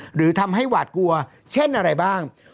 หรือทำให้หวาดกลัวเช่นอะไรบ้าง